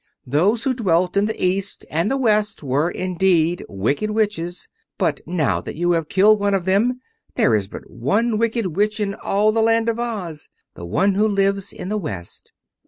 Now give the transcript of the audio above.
Those who dwelt in the East and the West were, indeed, wicked witches; but now that you have killed one of them, there is but one Wicked Witch in all the Land of Oz—the one who lives in the West."